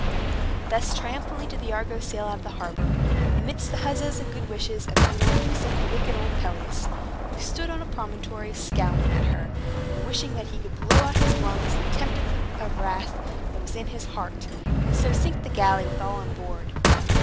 Thus triumphantly did the Argo sail out of the harbor, amidst the huzzas and good wishes of everybody except the wicked old Pelias, who stood on a promontory, scowling at her, and wishing that he could blow out of his lungs the tempest of wrath that was in his heart, and so sink the galley with all on board.